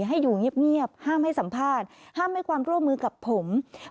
ให้อยู่เงียบห้ามให้สัมภาษณ์ห้ามให้ความร่วมมือกับผม